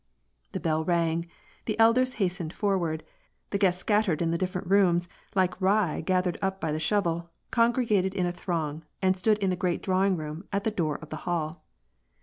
The bell rang ; the elders hastened forward ; the guests scat tered in the different rooms, like rye gathered up by the shovel, congregated in a throng, and stood in the great drawing room at the door of the hall.